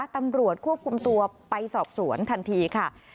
ตำรวจควบคุมตัวไปสอบสวนทันทีค่ะ